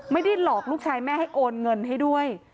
ไม่ได้หลอกลูกชายแม่ให้โอนเงินให้ด้วย